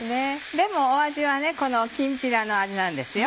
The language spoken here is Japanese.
でも味はこのきんぴらの味なんですよ。